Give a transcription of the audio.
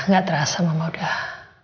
gak terasa mama udah